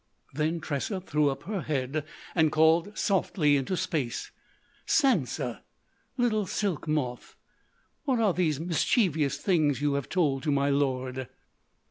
Then Tressa threw up her head and called softly into space: "Sansa! Little Silk Moth! What are these mischievous things you have told to my lord?"